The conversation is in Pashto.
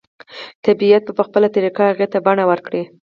طبیعت به په خپله طریقه هغې ته بڼه ورکړي